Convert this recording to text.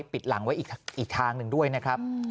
ปิดหลังไว้อีกทางหนึ่งด้วยนะครับ